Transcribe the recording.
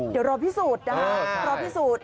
เดี๋ยวเราพิสูจน์นะครับ